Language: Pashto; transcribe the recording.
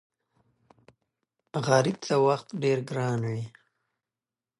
غریب ته وخت ډېر ګران وي